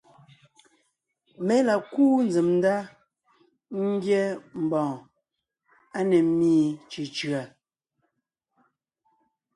Mé la kúu nzsèm ndá ńgyɛ́ mbɔ̀ɔn á ne ḿmi cʉ̀cʉ̀a;